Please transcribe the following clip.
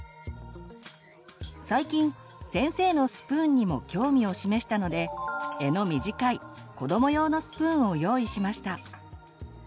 最近先生のスプーンにも興味を示したので柄の短い子ども用のスプーンを用意しました。